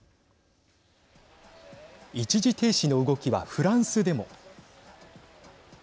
一時停止の動きはフランスでも。